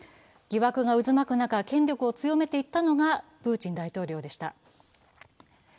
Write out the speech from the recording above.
疑惑が渦巻く中、権力を強めていったのがプーチン大統領でした。